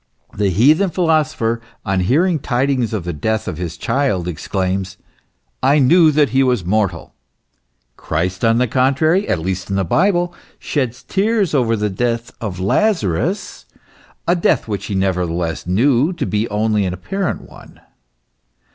The heathen philosopher, on hearing tidings of the death of his child, exclaims :" I knew that he was mortal." Christ, on the contrary, at least in the Bible, sheds tears over the death of Lazarus, a death which he nevertheless knew to be only an apparent one.